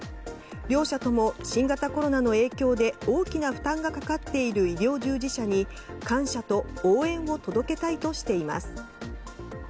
両社とも新型コロナの影響で大きな負担がかかっている医療従事者に感謝と応援を届けたいとしています。